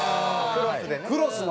クロスで。